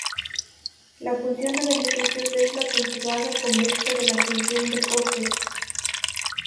La función de beneficios es la conjugada convexa de la función de costes.